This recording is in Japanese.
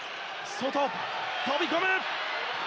外、飛び込む！